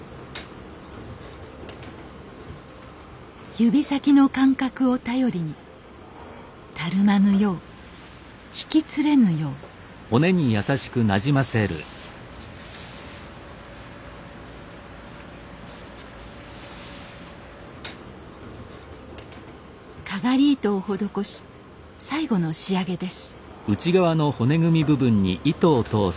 指先の感覚を頼りにたるまぬようひきつれぬようかがり糸をほどこし最後の仕上げです